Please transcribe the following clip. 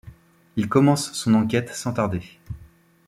Il commence son enquête sans tarder.